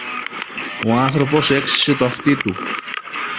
Ο άνθρωπος έξυσε το αυτί του